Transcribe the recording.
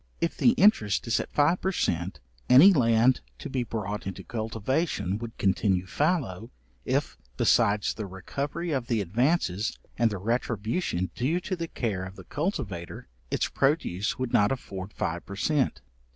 If the interest is at five per cent. any land to be brought into cultivation would continue fallow, if, besides the recovery of the advances, and the retribution due to the care of the cultivator, its produce would not afford five per cent.